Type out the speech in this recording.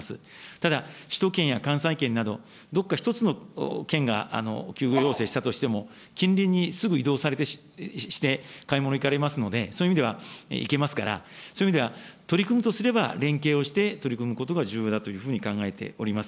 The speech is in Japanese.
ただ、首都圏や関西圏など、どこか１つの県が休業要請したとしても、近隣にすぐ移動して買い物行かれますので、そういう意味では、行けますから、そういう意味では、取り組むとすれば、連携をして取り組むことが重要だというふうに考えております。